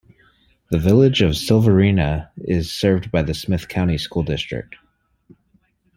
The Village of Sylvarena is served by the Smith County School District.